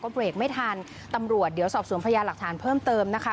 เบรกไม่ทันตำรวจเดี๋ยวสอบสวนพยานหลักฐานเพิ่มเติมนะคะ